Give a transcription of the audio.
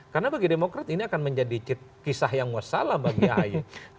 karena bagi demokrat ini akan menjadi kisah yang wassalam bagi ahi